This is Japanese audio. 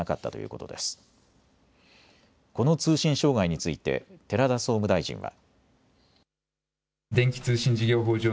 この通信障害について寺田総務大臣は。